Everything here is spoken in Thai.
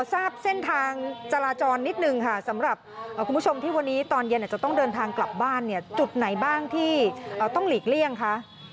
ทราบเส้นทางจราจรนิดนึงค่ะสำหรับคุณผู้ชมที่วันนี้ตอนเย็นจะต้องเดินทางกลับบ้านเนี่ยจุดไหนบ้างที่ต้องหลีกเลี่ยงคะ